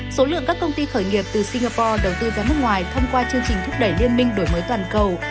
số lượng các công ty khởi nghiệp từ singapore đầu tư ra nước ngoài thông qua chương trình thúc đẩy liên minh đổi mới toàn cầu